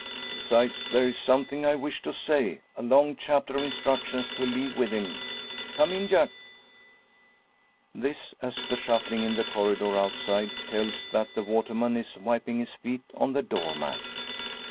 ] "Besides there's something I wish to say a long chapter of instructions to leave with him. Come in, Jack!" This, as a shuffling in the corridor outside, tells that the waterman is wiping his feet on the door mat.